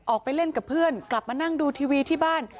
ออกไปเล่นกับเพื่อนกลับมานั่งดูทีวีที่บ้าน